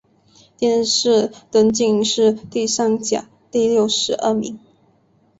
殿试登进士第三甲第六十二名。